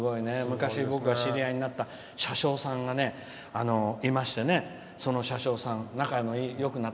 昔知り合いになった車掌さんがいましてねその車掌さんからね。